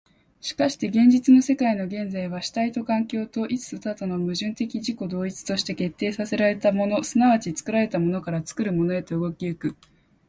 しかして現実の世界の現在は、主体と環境と、一と多との矛盾的自己同一として、決定せられたもの即ち作られたものから、作るものへと動き行く。